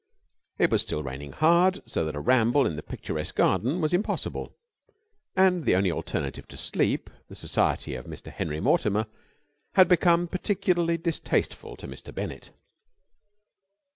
It was still raining hard, so that a ramble in the picturesque garden was impossible, and the only alternative to sleep, the society of Mr. Henry Mortimer, had become peculiarly distasteful to Mr. Bennett.